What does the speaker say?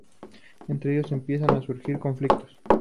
Entre ellos empiezan a surgir conflictos.